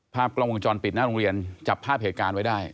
ภาพกล้องวงจรปิดหน้าโรงเรียนจับภาพเหตุการณ์ไว้ได้